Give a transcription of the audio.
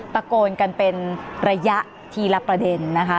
ตะโกนกันเป็นระยะทีละประเด็นนะคะ